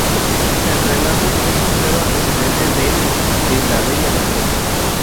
El relato es un claro antecedente del de la "Bella durmiente".